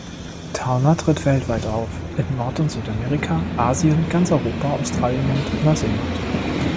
Towner tritt weltweit auf, in Nord- und Südamerika, Asien, ganz Europa, Australien und Neuseeland.